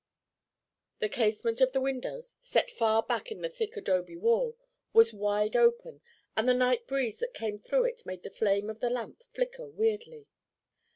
The casement of the window, set far back in the thick adobe wall, was wide open and the night breeze that came through it made the flame of the lamp flicker weirdly.